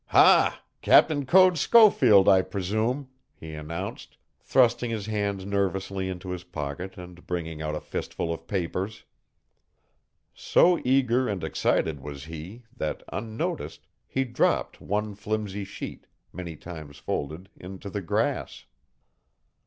"Ha! Captain Code Schofield, I presume," he announced, thrusting his hand nervously into his pocket and bringing out a fistful of papers. So eager and excited was he that, unnoticed, he dropped one flimsy sheet, many times folded, into the grass.